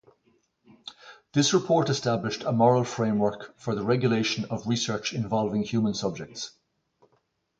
This report established a moral framework for the regulation of research involving human subjects.